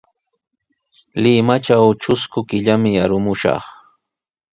Limatraw trusku killami arumushaq.